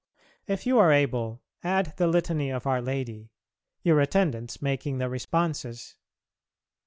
If you are able, add the Litany of Our Lady, your attendants making the responses.